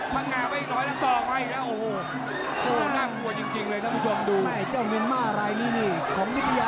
บางหากไปยิกน้อยละกรองไว้นะโอ้โหโอ้น่ากลัวจริงเลยนะ